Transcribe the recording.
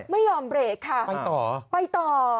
ไม่ยอมเบรกค่ะไปต่อไปต่อ